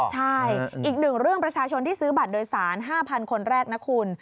ใช่อีกหนึ่งเรื่องประชาชนที่ซื้อบัตรโดยสาร๕๐๐คนแรกนะคุณ